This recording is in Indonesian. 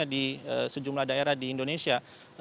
terorisme terorisme di sejumlah daerah di indonesia